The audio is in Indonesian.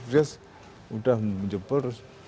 terus sudah menyebel